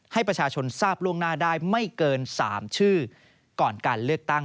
ให้ประชาชนทราบล่วงหน้าได้ไม่เกิน๓ชื่อก่อนการเลือกตั้ง